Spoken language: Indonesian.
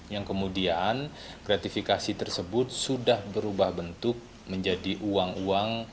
yang kemudian gratifikasi tersebut sudah berubah bentuk menjadi uang uang